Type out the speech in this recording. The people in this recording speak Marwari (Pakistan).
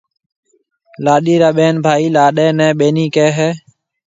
لاڏيِ را ٻين ڀائي لاڏيَ نَي ٻَينِي ڪهيَ هيَ۔